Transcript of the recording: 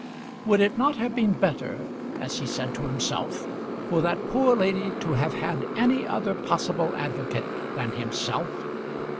Would it not have been better, as he said to himself, for that poor lady to have had any other possible advocate than himself?